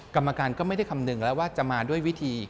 กรรมการก็ไม่ได้คำนึงแล้วว่าจะมาด้วยวิธี